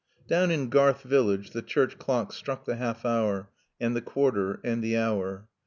Down in Garth village the church clock struck the half hour and the quarter and the hour.